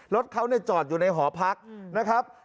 รถเขาจอดอยู่ในหอพักนะครับ